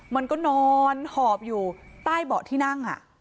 มันก็นอนหอบอยู่ใต้เบาะที่นั่ง